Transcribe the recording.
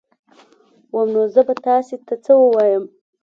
وام نو زه به تاسي ته څه ووایم